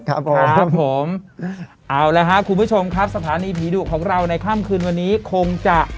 ครับผมครับผมเอาละครับคุณผู้ชมครับสถานีผีดุของเราในค่ำคืนวันนี้คงจะ